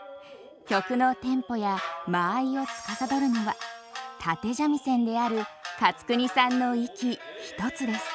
曲のテンポや間合いをつかさどるのは立三味線である勝国さんの息一つです。